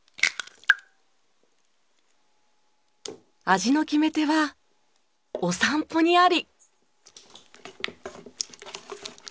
味の決め手はお散歩にあり！